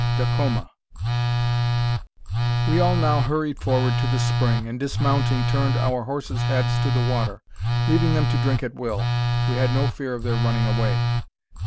DACOMA. We all now hurried forward to the spring, and, dismounting, turned our horses' heads to the water, leaving them to drink at will. We had no fear of their running away.